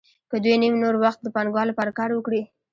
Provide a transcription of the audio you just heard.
که دوی نیم نور وخت د پانګوال لپاره کار وکړي